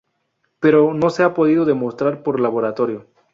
Pero no se ha podido demostrar por laboratorio.